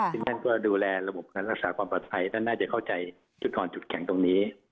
ซึ่งท่านก็ดูแลระบบการรักษาความปลอดภัยท่านน่าจะเข้าใจจุดอ่อนจุดแข็งตรงนี้